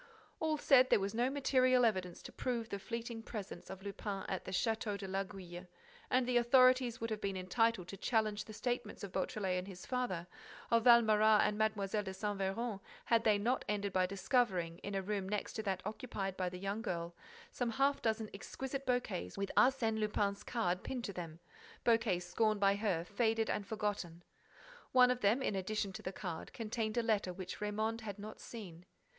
All said, there was no material evidence to prove the fleeting presence of Lupin at the Château de l'Aiguille; and the authorities would have been entitled to challenge the statements of Beautrelet and his father, of Valméras and Mlle. de Saint Véran, had they not ended by discovering, in a room next to that occupied by the young girl, some half dozen exquisite bouquets with Arsène Lupin's card pinned to them, bouquets scorned by her, faded and forgotten—One of them, in addition to the card, contained a letter which Raymonde had not seen.